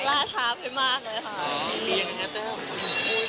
ระช้าเพิ่มมากเลยครับ